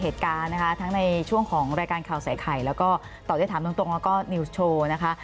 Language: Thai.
ทั้งในช่วงของรายการข่าวใส่ไข่แล้วก็ต่อที่ถามตรงแล้วก็นิวส์โชว์นะคะ